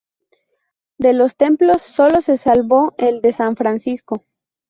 De los templos sólo se salvó el de San Francisco.